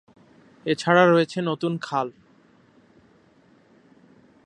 এছাড়া রয়েছে নতুন খাল।